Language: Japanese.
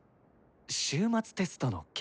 終末テストの件。